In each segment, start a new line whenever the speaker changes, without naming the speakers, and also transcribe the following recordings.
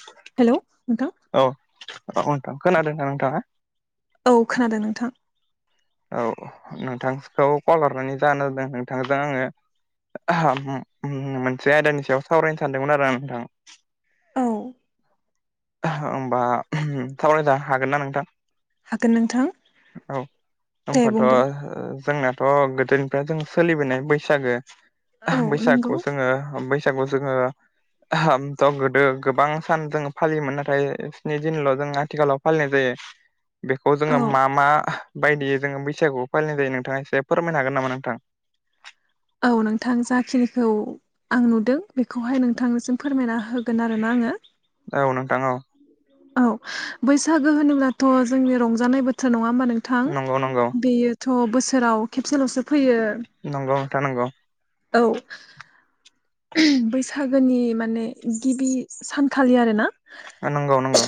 [inaudible]
Hello नोंथां।
औ औ नोंथां खोनादों ना नोंथाङा?
औ खोनादों नोंथां।
औ नोंथांखौ कल हरनायनि जाहोना जादों नोंथांजों आङो मोनसे आयदानि सायाव सावरायनो सानदोंमोन आरो आं नोंथां।
औ।
होमबा उम थावरायनो हागोन ना नोंथां?
हागोन नोंथां
औ
दे
होमबाथ'
बुंदो
जोंना थ' गोदोनिफ्राय जों सोलिबोनाय बैसागो
औ नंगौ
बैसागु जोङो बैस बैसागु जोङो उम थ' गोदो गोबां सान जोङो फालियोमोन नाथाय स्नि दिनल' जों आथिखालाव फालिनाय जायो बेखौ
औ
जोङो मा मा बायदि जोङो बैसागु फालिनाय जायो नोंथाङा एसे फोरमायनो हागोन नामा नोंथां?
औ नोंथां जाखिनिखौ आं नुदों बेखौहाय नोंथांनिसिम फोरमायना होगोन आरोना आङो।
औ नोंथां औ।
औ बैसागो होनोब्लाथ' जोंनि रंजानाय बोथोर नङा होमबा नों थां
नंगौ नंगौ
बेयोथ' बोसोराव खेबसेल'सो फैयो।
नंगौ नोंथां नंगौ
औ। बैसागोनि माने गिबि सानखालि आरोना
नंगौ नंगौ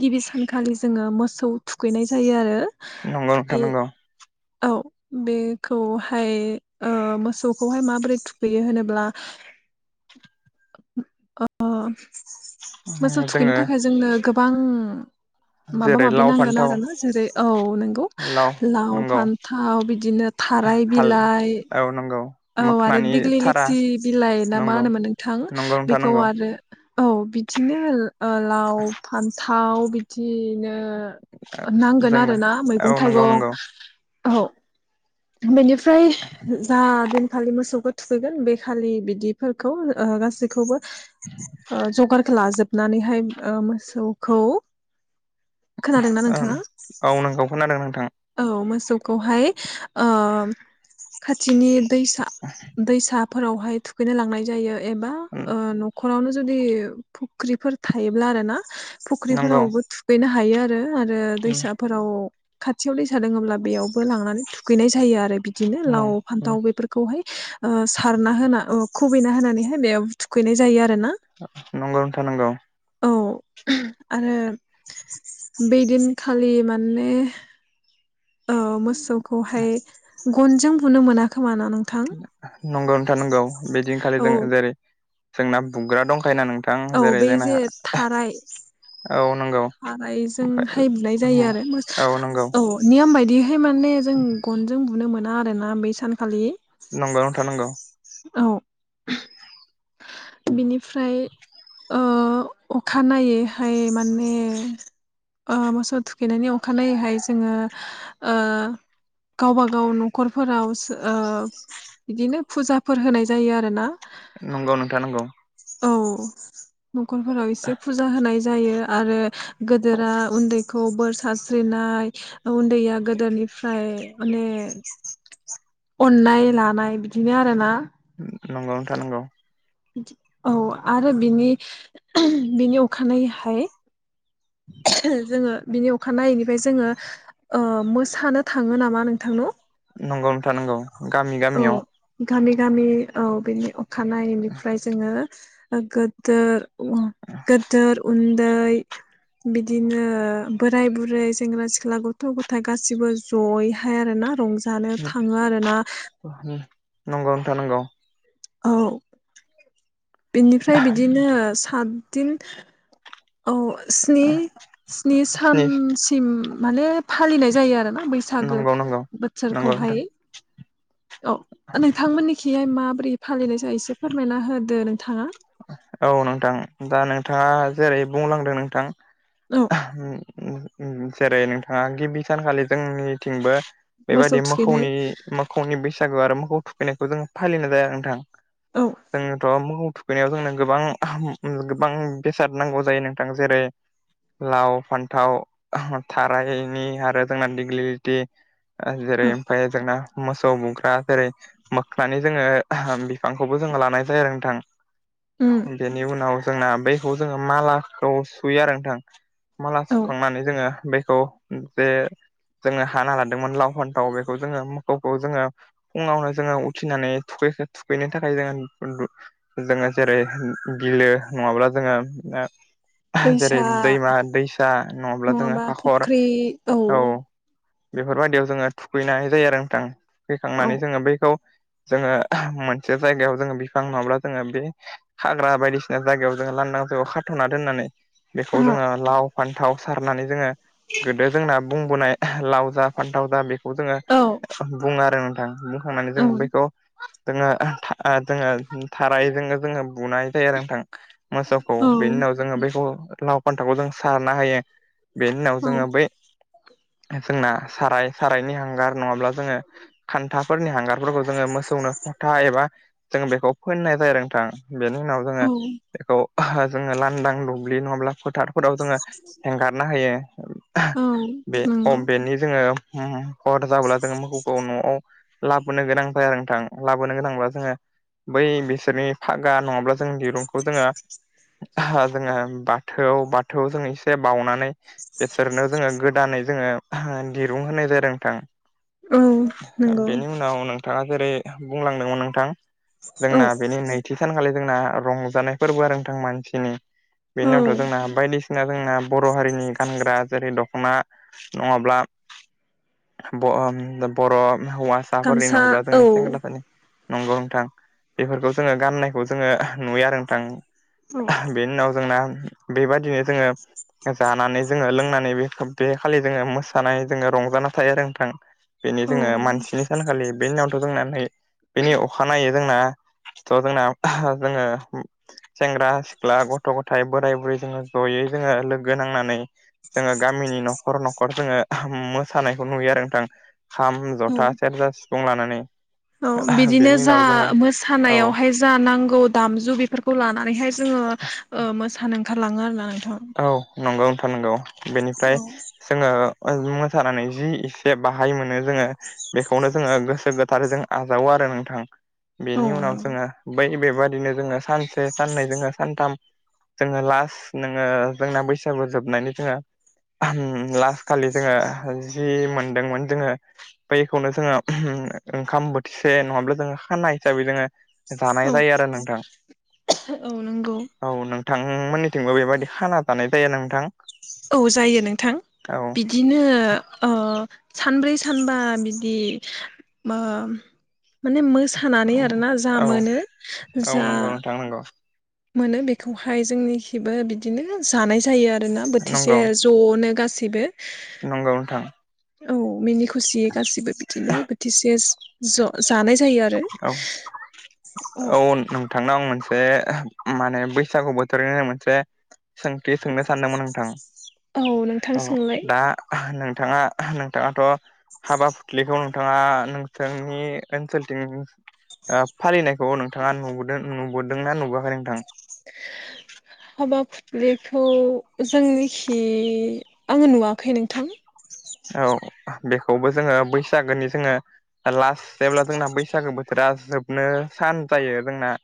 गिबि सानखालि जोङो मोसौ थुखैनाय जायो आरो
नंगौ नोंथां
बे
नंगौ।
औ बेखौहाय ओ मोसौखौहाय माबोरै थुखैयो होनोब्ला
[inaudible]
अ' मोसौ थुखैनो
जोङो
थाखाय जोंनो गोबां माबा
जेरै
माबि
लाव
नांगोन
फान्थाव
आरो ना जेरै औ नोंगौ लाव फान्थाव बिदिनो थाराय
हाल
बिलाइ
औ नंगौ
औ आरो
मोखनानि
दिग्लि
थारा
लेथि बिलाइ नामा
नंगौ
होनोमोन नोंथां
नंगौ नोंथां
बेखौ
नंगौ
आरो औ बिदिनो ओ लाव फान्थाव बिदिनो नांगोन
जोंनो
आरो ना
औ
मैगं
नंगौ नंगौ
थाइगं औ बेनिफ्राय जा दिनखालि मोसौखौ थुखैगोन बे खालि बिदिफोरखौ ओ गासैखौबो ओ जगारखौ लाजोबनानैहाय ओ मोसौखौ खोनादोंना
ओम
नोंथाङा
औ नंगौ खोनादों नोंथां
औ मोसौखौहाय ओ खाथिनि दैसा दैसा फोरावहाय थुखैनो लांनाय जायो एबा ओ न'खर फोरावनो जुदि फुख्रिफोर थायोब्ला आरो ना
नंगौ
फुख्रिफोरावबो थुगैनो हायो आरो आरो दैसाफोराव खाथियाव दैसा दङोब्ला बेयावबो लांनानै थुखैनाय जायो आरो बिदिनो लाव
नंगौ
फान्थाव बेफोरखौ खौहाय ओ सारना होना अ खुबैना होनानैहाय बे थुखैनाय जायो आरो ना
नोंथां नंगौ
औ आरो बे दिनखालि माने औ मोसौखौहाय गनजों बुनो मोना खोमा ना नोंथां?
नंगौ नोंथां नंगौ बिदिनखालि
औ
जों जेरै जोंना बुग्रा दंखायो ना नोंथां
औ
जेरै
बे
जोंना
जे थाराय
औ नों
खारायजोंहाय बुनाय जायो आरो मो
औ नंगौ
औ नियम बायदियैहाय माने जों गनजों बुनो मोना आरोना बै सानखालि।
नंगौ नोंथां नंगौ
औ बिनिफ्राय ओ अखानायनायैहाय माने ओ मोसौ थुखैनायनि अखानायैहाय जोङो ओ गावबागाव नखरफोरावसो ओ बिदिनो फुजाफोर होनाय जायो आरो ना
नंगौ नोंथां नंगौ
औ न'खरफोराव एसे फुजा होनाय जायो आरो गोदोरा उन्दैखौ बोर सारस्रिनाय उन्दैया गोदोरनिफ्राय माने अननाय लानाय बिदिनो आरो ना
नंगौ नोंथां नंगौ
औ आरो बिनि बिनि अखानायैहाय जोङो बिनि अ खानायैनिफ्राय जोङो मोसानो थाङो नामा नोंथांन
नंगौ नोंथां नंगौ गामि
औ
गामियाव
गामि गामि औ बेनि अखानायैनिफ्राय जोङो गो दोर गोदोर उन्दै बिदिनो बोराय बुरै सेंग्रा सिख्ला गथ' गथाय गासिबो ज'यैहाय आरोना रंजा जानो थाङो आरो ना।
नंगौ नोंथां नंगौ।
औ बिनिफ्राय बिदिनो सतदिन औ स्नि स्नि सानसिम माने फालिनाय जायो आरोना बैसागो
नंगौ नंगौ नंगौ नोंथां
बोसोरखौहाय औ नोंथांमोननिखिहाय माबोरै फालिनाय जायो एसे फोरमायना होदो नोंथाङा
औ नोंथां दा नोंथाङा जेरै बुंलांदों नोंथां
औ
उम उम जेरै नोंथाङा गिबि सानखालि जोंनिथिंबो
मोसौ
बेबायदि
थुखैनाय
मोखौनि मोखौनि बैसागु आरो मोखौ थुखैनायखौ जों फालिनाय जाया नोंथां
औ
जोंथ' मोखौ थुखैनायाव जोंनो गोबां ओहोम उम गोबां बेसाद नांगौ जायो नोंथां जेरै लाव फान्थाव ओहो थारायनि आरो जोंना दिग्लिटि जेरै
औ
ओमफाय जोंना मोसौ बुग्रा जेरै मोखनानि जोङो ओहोम बिफांखौबो जोङो लानाय जायो आरो नोंथां।
उम
बेनि उनाव जोंना बैखौ जोङो मालाखौ सुयो आरो नोंथां। माला
औ
सुखांनानै जोङो बेखौ जे जोङो हाना लादोंमोन लाव फानथाव बेखौ जोङो मोखौ खौ जोङो फुङावनो जोङो उथिनानै थुखै थुखैनो थाखाय जोंङो जोङो जेरै बिलो नङाब्ला जोङो ओ जेरै
दैसा
दैमा दैसा नङाब्ला जोङो हाखर
इ औ।
बेफोरबायदियाव जोङो थुखैनाय जायो आरो नोंथां
औ
थुखैखांनानै जोङो बैखौ जोङो मोनसे जायगायाव जोङो बिफां नङाब्ला जोङो बे हाग्रा बायदिसिना जायगायाव जोङो लांदां जायगायाव खाथ'ना दोननानै बेखौ
औ
जोङो लाव फान्थाव सारनानै जोङो गोदो जोंना बुंबोनाय लाव जा फान्थाव जा बेखौ जोङो
औ
बुङो आरो नोंथां। थांनानै जोङो बैखौ जोङो ओ जोङो थारायजोंनो जोङो बुनाय जायो आरो नोंथां मोसौखौ
औ
बेनि उनाव जोङो बैखौ लाव फान्थाखौ जों सारना हायो बेनि उनाव
औ
जोङो बै जोंना साराय सारायनि हांगार नङाब्ला जोङो खान्था फोरनि हांगारफोरखौ जोङो मोसौनो फथा एबा जों बेखौ फोननाय जायो नोंथां बेनि उनाव जोङो
औ
बेखौ जोङो लांदां दुब्लि नङाब्ला फोथार फोराव जोङो हेंगारनो हायो
औ
बे अ'
नंगौ
बेनि जोङो हुम हुम हर जाब्ला जोङो मोखौखो न'आव लाबोनो गोनां जायो नोंथां लाबोनो गोनांब्ला जोङो बै बिसोरनि फागा नङाब्ला जों दिरुंखौ जोङो जोङो थौ बाथौ जों एसे बाउनानै बिसोरनो जोङो गोदानै जोङो दिरुं होनाय जादों नोंथां
औ नंगौ
बेनि उनाव नों थाङा जेरै बुंलांदोंमोन नोंथां।
औ
जोंना बेनि नैथि सानखालि जोंना रंजानाय फोरबो आरो नोंथां मानसिनि। बेनि
औ
उनावथ' जोंना बायदिसिन ना जोंना बर' हारिनि गानग्रा जेरै दख'ना नङाब्ला ब ओ बर' हौवासाफोरनि
गामसा
नङाब्ला
औ
जोंनि सेंग्राफोरनि नंगौ नोंथां बेफोरखौ जोङो गाननायखौ जोङो नुयो आरो
औ
नोंथां। बेनि उनाव जोंना बेबादिनो जोङो जानानै जोङो लोंनानै बे बे खालि जोङो मोसानाय जोङो रंजाना थायो आरो नोंथां। बेनि जोङो
औ
मानसिनि सानखालि बेनि उनावथ' जोंना नै बेनि अखानायै जोंना थ' जोंना जोङो सेंग्रा सिख्ला गथ' गथाय बोराय बुरै जोङो जयै जोङो लोगो नांनानै जोङो गामिनि न'खर न'खर जोङो मोसानायखौ नुयो आरो नोंथां खाम
औ
जथा सेरजा सिफुं लानानै
औ बिदिनो
बेनि
जा
उनाव जोङो
मोसा
औ
मोसानायावहाय जा नांगौ दामजु बेफोरखौ लानानैहाय जोङो मोसानो ओंखारलाङो आरो ना नोंथां?
औ नंगौ नोंथां नंगौ बेनिफ्राय जोङो मोसानानै जि एसे बाहाय मोनो जोङो बेखौनो जोङो गोसो गोथारै जों आजावो आरो नोंथां।
औ
बेनि उनाव
नंगौ
जोङो बै बेबादिनो जोङो सानसे साननै जोङो सानथाम जोङो लास्ट नोङो जोंना बैसागु जोबनानै जोङो लास्ट खालि जोङो जि मोनदोंमोन जोङो बैखौनो जोङो ओंखाम बोथिसे नङाब्ला जो खानाय हिसाबै जोङो जानाय
औ
जायो आरो नोंथां।
औ नंगौ
औ नोंथांमोननिथिंबो बेबायाददि खाना थानाय जाया नोंथां।
औ जायो नोंथां बि बिदिनो अ सानब्रै सानबा बिदि माने मोसानानै आरोना जा मोनो जा
जांनांगौ।
मोनो बेखौहाय जोंनिखिबो बिदिनो जानाय जायो आरोना बोथिसे ज'नो गासैबो
नंगौनो थां
औ मिनि खुसियै गासिबो बिदिनो बोथिसे ज जानाय जायो आरो।
औ औ नोंथां थांनाव आं मोनसे माने बैसागु बोथोरनो मोनसे सोंथि सोंनो सानदोंमोन नोंथां।
औ नोंथां
औ
सोंलाय
दा नोंथाङा नोंथाङाथ' हाबा फुथलिखौ नोंथाङा नोंसोरनि ओनसोल फालिनायखौ नोंथाङा नुबोदों नुबोदों ना नुबोाखै नोंथां। [inaudible]
हाबाब बेखौ जोंनिखि आङो नुवाखै नोंथां।
औ बेखौबो जोङो बैसागोनि जोङो लास्ट जेब्ला जोंना बैसागो बोथोरा जोबनो सान जायो जोंना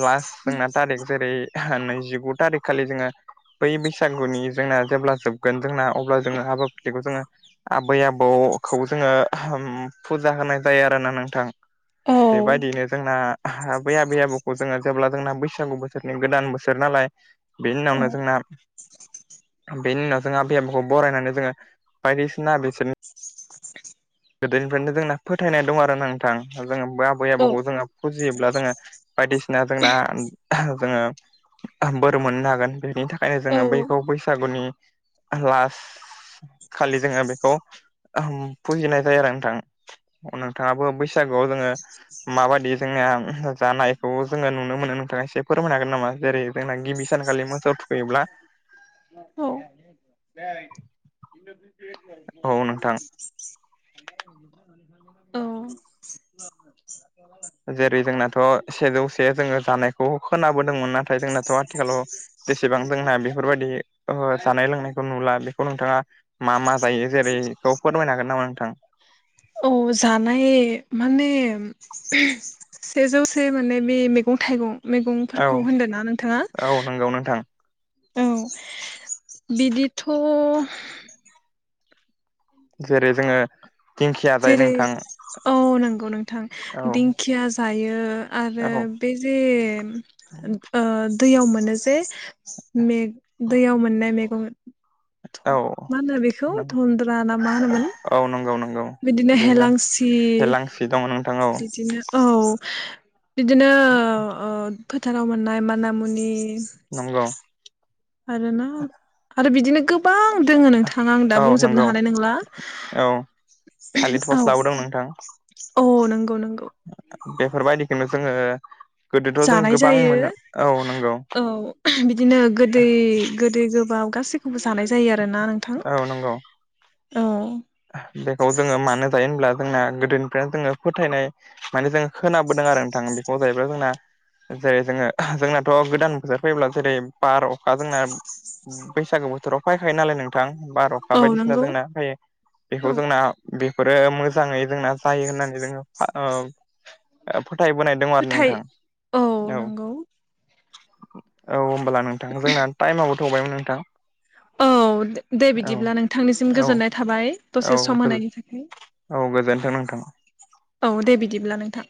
लास्ट जोंना थारिख जेरै नैजिगु थारिख खालि जोङो बै बैसागुनि जोंना जेब्ला जोबगोन जोंना अब्ला जोङो हाबा फलिखौ जोङो आबै आबौखौ जोङो फुजा होनाय जायो आरोना नोंथां
औ
बेबायदिनो जोंना बै आबै आबौखौ जोङो जेब्ला जोंना बैसागु बोसोरनि गोदान बोसोर नालाय बेनि
औ
उनावनो जोंना बेनि उनाव जों आबै आबौखौ बरायनानै जोङो बायदिसिना बेसोरनि गोदोनिफ्रायनो जोंना फोथायनाय दं आरो नोंथां जोङो आबै
औ
आबौखौ जोङो फुजियोब्ला जोङो बायदिसिना जोंना जोङो बोर मोननो हागोन बेनि थाखायनो
औ
जोङो बैखौ बैसागुनि लास्ट खालि जोङो बेखौ फुजिनाय जायो आरो नोंथां नोंथाङाबो बैसागुआव जोङो माबाददि जोङो जानायखौ जोङो नुनो मोनो नोंथाङा एसे फोरमायनो हागोन नामा जेरै जोंना गिबि सानखालि मोस थुखैयोब्ला औ नोंथां
औ। [inaudible] औ।
जेरै जोंनाथ' सेजौसे जोंङो जानायखौ खोनाबोदोंमोन नाथाय जोंनाथ' आथिखालाव जेसेबां जोंना बेफोरबायदि ओ जानाय लोंनायखौ नुला बेखौ नोंथाङा मा- मा जायो जेरैखौ फोरमायनो हागोन नामा नोंथां?
औ, जानाय माने से जौसे माने बे मैगं थाइगं
औ
मैगंफोरखौ होनदों ना नोंथाङा
औ नंगौ नोंथां
औ बिदिथ'।
जेरै जोंङो
जेरै औ नंगौ नोंथां
औ
दिंखिया जायो आरो
औ
बे जे ओ दैयाव मोनो जे दैयाव मोननाय मैगं
औ
मा होनो बेखौ
नंगौ
धन्द्र ना मा होनोमोन?
औ नंगौ -नंगौ।
बिदिनो
बेनो
हेलांसि
हेलांसि दङ नोंथां औ
बिदिनो औ बिदिनो ओ फोथाराव मोननाय माना- मुनि
नंगौ।
आरो ना आरो बिदिनो [unintelligible] गोबां दोङो नोंथां आं दा
औ नंगौ
बुंजोबनो हानाय नंला।
थालि थस्लाबो दं नोंथां।
अ नंगौ -नंगौ।
बेफोरबायदिखौनो जोङो गोदोथ' जों
जानाय
गोबां
जायो
मोनो औ नंगौ।
औ बिदिनो गोदै- गोदै गोबाब गासैखौबो जानाय जायो आरोना नोंथां।
औ नंगौ
औ।
बेखौ जोंङो मानो जायो होनब्ला जोंना गोदोनिफ्रायनो जोंङो फोथायनाय माने जों खोनाबोदों आरो नोंथां बेखौ जाहैबाय जोंना जेरै जोङो जोंनाथ' गोदान बोसोर फैयोब्ला जेरै बार, अखा जोंना बैसागु बोथोराव फैखायो नालाय नोंथां बार, अखा
औ
बायदिसिना
नंगौ
जोंना फैयो।
औ
बेखौ जोंना बेफोरो मोजाङै जोंना जायो होननानै जोङो [unintelligible] फोथाय बोनाय दं आरो
फोथाय
नोंथां औ -औ। होमब्ला नोंथां जोंना टाइमाबबो थ'बायमोन नोंथां।
औ दे
औ
बिदिब्ला नोंथांनिसिम गोजोननाय थाबाय।
औ
दसे
-औ
सम होनायनि थाखाय
[unintelligible] गोजोनथों नोंथां।
औ दे बिदिब्ला नोंथां।